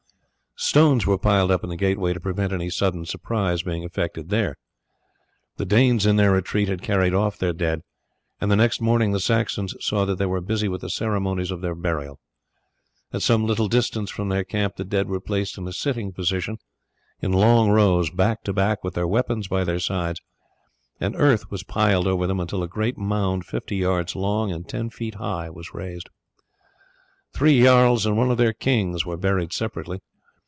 Stones were piled up in the gateway to prevent any sudden surprise being effected there. The Danes in their retreat had carried off their dead, and the next morning the Saxons saw that they were busy with the ceremonies of their burial. At some little distance from their camp the dead were placed in a sitting position, in long rows back to back with their weapons by their sides, and earth was piled over them until a great mound fifty yards long and ten feet high was raised. Three jarls and one of their kings were buried separately.